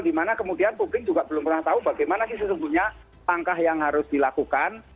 dimana kemudian publik juga belum pernah tahu bagaimana sih sesungguhnya langkah yang harus dilakukan